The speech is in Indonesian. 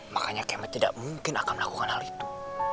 makanya kami tidak mungkin akan melakukan hal itu